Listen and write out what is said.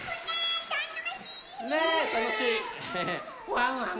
ワンワン